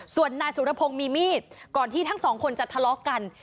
ส่วนนายสุรพงศ์มีมีดก่อนที่ทั้งสองคนจะทะเลาะกัน